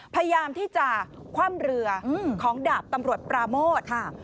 พยายามที่จะคว่ำเรือของดาบตำรวจปราโมท